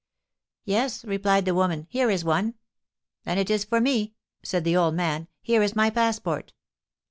'Yes,' replied the woman, 'here is one.' 'Then it is for me,' said the old man; 'here is my passport.'